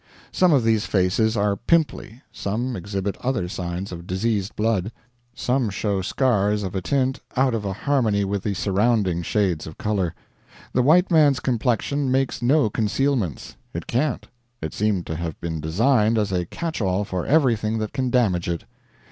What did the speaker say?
Some of these faces are pimply; some exhibit other signs of diseased blood; some show scars of a tint out of a harmony with the surrounding shades of color. The white man's complexion makes no concealments. It can't. It seemed to have been designed as a catch all for everything that can damage it.